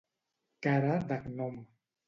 Cara de gnom.